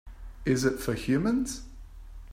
Is it for humans?